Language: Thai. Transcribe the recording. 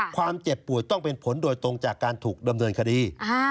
เจ็บป่วยต้องเป็นผลโดยตรงจากการถูกดำเนินคดี